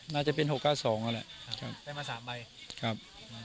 น่าจะเป็น๖๙๒นั่นแหละครับได้มาสามใบครับ